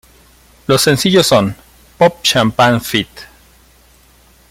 Los sencillos son ""Pop Champagne feat.